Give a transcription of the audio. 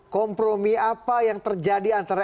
kompromi apa yang terjadi antara